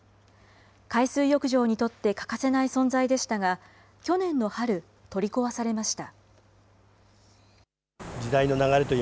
海水浴場にとって欠かせない存在でしたが、去年の春、取り壊されました。